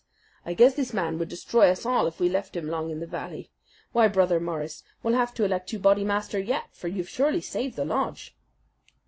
I guess this man would destroy us all if we left him long in the valley. Why, Brother Morris, we'll have to elect you Bodymaster yet; for you've surely saved the lodge."